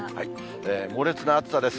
猛烈な暑さです。